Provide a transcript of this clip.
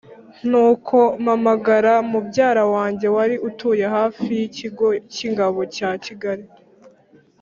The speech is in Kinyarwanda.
nuko mpamagara mubyara wanjye wari utuye hafi y'ikigo cy'ingabo cya kigali